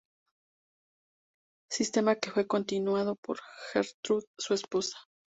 Sistema que fue continuado por Gertrud, su esposa.